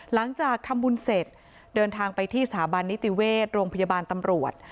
หลังจากทำบุญเสร็จเดินทางไปที่สถาบันนิติเวชโรงพยาบาลตำรวจ